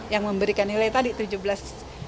yang memberikan nilai tadi tujuh belas miliar